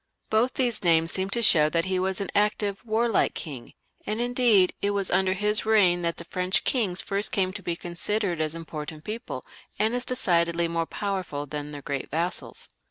Both these names seem to show that he was an active, warlike king; and indeed, it was under his reign that the French kings first came to be considered as important people, and as decidedly more powerful than their great vassals.